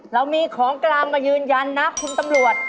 เรามีของกลางมายืนยันนะคุณตำรวจ